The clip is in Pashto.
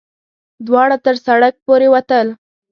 دواړه تر سړک پورې وتل.